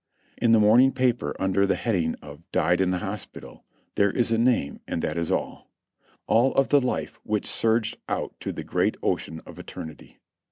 In the morning paper, under the heading of "Died in the Hos pital," there is a name and that is all ; all of the life which surged out to the great ocean of Eternity.